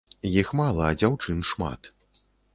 Іх мала, а дзяўчын шмат.